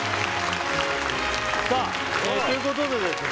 さあということでですね